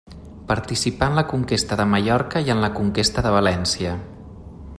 Participà en la Conquesta de Mallorca i en la Conquesta de València.